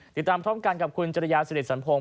ติดตามพร้อมกันกับคุณจริยาสิริสันพงศ